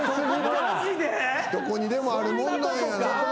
どこにでもあるもんなんや。